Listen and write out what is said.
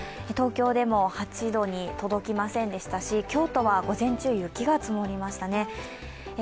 東京でも８度に届きませんでしたし京都は午前中、雪が積もりましたね